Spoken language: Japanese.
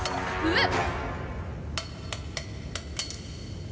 えっ？